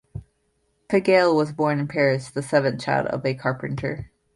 Pigalle was born in Paris, the seventh child of a carpenter.